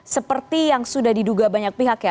seperti yang sudah diduga banyak pihak ya